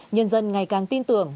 nhân dân ngày càng tin tưởng